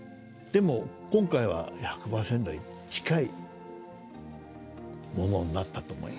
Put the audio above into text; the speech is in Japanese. でも今回は１００％に近いものになったと思います。